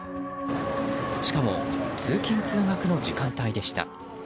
しかも通勤・通学の時間帯でした。